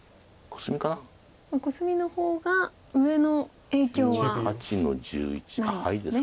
コスミの方が上の影響はないんですね。